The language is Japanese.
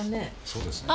そうですね。